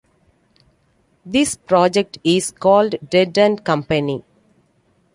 This project is called Dead and Company.